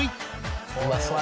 うまそう！